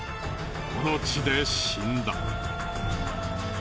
この地で死んだ。